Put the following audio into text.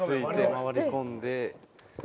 回り込んで。